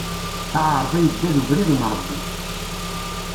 Aɛeṛḍi idda d ubrid n Ṛebbi.